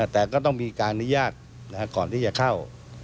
แต่ก็ต้องมีการอนุญาตก่อนที่จะเข้า